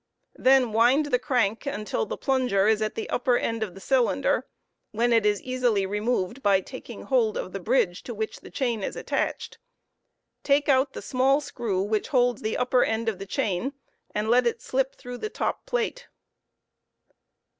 Then wind the crank until: the plunger is at the upper end of the cylinder, when it is easily removed by taking hold of the bridge to which the chain is attached; Take out the small screw which holds the upper end of the chaiu, and let it slip through the top plate.